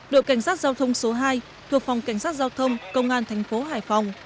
đội cảnh sát giao thông số hai thuộc phòng cảnh sát giao thông công an tp hải phòng